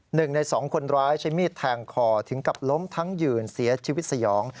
หนึ่งในสองคนร้ายใช้มีดแทงคอถึงกับล้มทั้งยืนเสียชีวิตสยอง